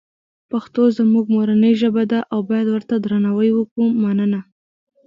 پښتوزموږمورنی ژبه ده اوبایدورته درناوی وکومننه